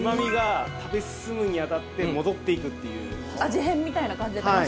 味変みたいな感じで楽しい。